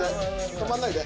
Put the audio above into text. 止まんないで。